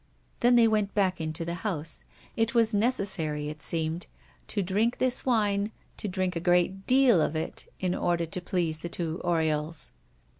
Then they went back into the house. It was necessary, it seemed, to drink this wine, to drink a great deal of it, in order to please the two Oriols.